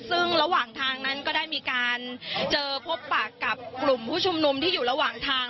ซึ่งระหว่างทางนั้นก็ได้มีการเจอพบปากกับกลุ่มผู้ชุมนุมที่อยู่ระหว่างทาง